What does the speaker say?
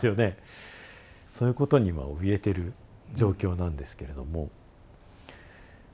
そういうことにはおびえてる状況なんですけれども。